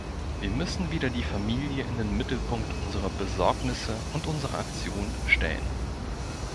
Wir müssen wieder die Familie in den Mittelpunkt unserer Besorgnisse und unserer Aktionen stellen.